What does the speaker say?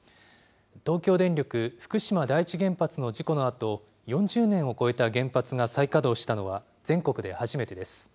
東京電力福島第一原発の事故のあと、４０年を超えた原発が再稼働したのは全国で初めてです。